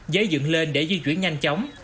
dễ dựng lên để di chuyển nhanh chóng